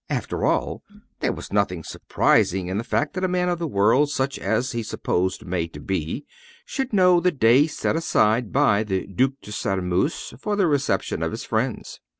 After all there was nothing surprising in the fact that a man of the world, such as he supposed May to be, should know the day set aside by the Duc de Sairmeuse for the reception of his friends.